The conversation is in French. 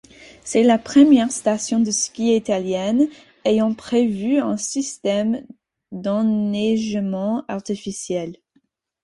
C’est la première station de ski italienne ayant prévu un système d'enneigement artificiel.